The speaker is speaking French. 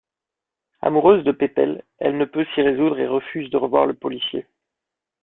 Amoureuse de Pépel, elle ne peut s'y résoudre et refuse de revoir le policier.